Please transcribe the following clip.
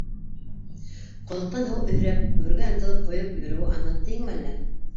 Ҡоҙоҡтан һыу һөйрәп, үргә ынтылып ҡойоп йөрөүе анһат тейеңме әллә?